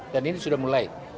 dan ini sudah mulai